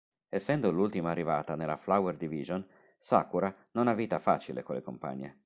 Essendo l'ultima arrivata nella "Flower Division", Sakura non ha vita facile con le compagne.